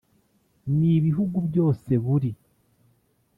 n ibihugu byose buri